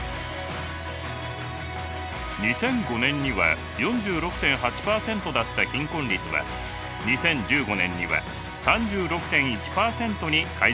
２００５年には４６．８％だった貧困率は２０１５年には３６．１％に改善しています。